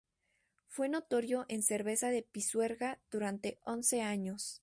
Fue notario en Cervera de Pisuerga durante once años.